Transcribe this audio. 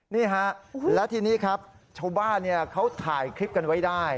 นี่ฮะแล้วทีนี้ครับชาวบ้านเขาถ่ายคลิปกันไว้ได้